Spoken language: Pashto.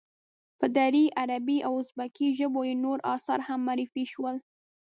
په دري، عربي او ازبکي ژبو یې نور آثار هم معرفی شول.